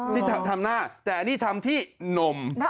ที่ทำหน้าแต่นี่ทำที่นม